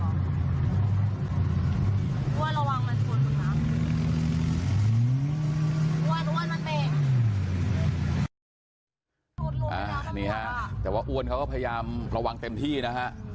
นี่ฮะแต่ว่าอ้วนเขาก็พยายามระวังเต็มที่นะฮะ